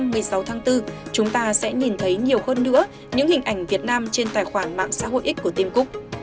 vào tháng bốn chúng ta sẽ nhìn thấy nhiều hơn nữa những hình ảnh việt nam trên tài khoản mạng xã hội ích của tim cook